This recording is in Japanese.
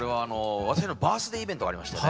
私のバースデーイベントがありましてね